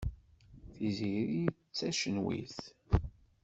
Tiziri d tacenwit.